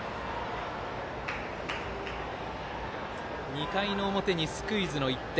２回の表にスクイズの１点。